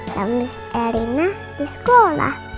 sambis erina di sekolah